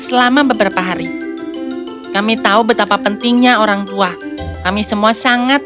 selama beberapa hari kami tahu betapa pentingnya orang tua kami semua sangat